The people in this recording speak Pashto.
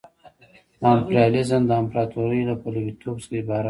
امپریالیزم د امپراطورۍ له پلویتوب څخه عبارت دی